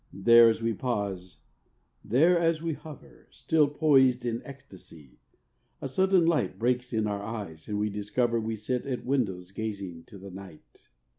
There as we pause, there as we hover, Still poised in ecstasy, a sudden light Breaks in our eyes, and we discover We sit at windows gazing to the night.